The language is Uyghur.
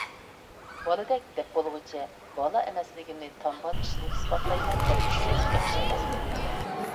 «بالىدەك» دەپ بولغۇچە بالا ئەمەسلىكىمنى تامبال ئىچىدىن ئىسپاتلايمەن، دەپ چۈشۈش ياخشى ئەمەس.